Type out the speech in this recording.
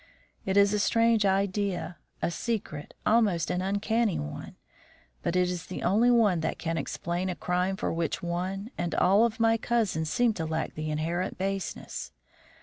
It is a strange idea, a secret, almost an uncanny, one; but it is the only one that can explain a crime for which one and all of my cousins seem to lack the inherent baseness.